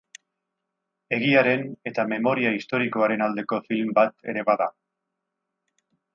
Egiaren eta memoria historikoaren aldeko film bat ere bada.